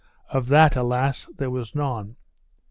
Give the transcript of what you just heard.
Of that, alas! there was none.